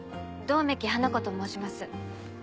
百目鬼華子と申します。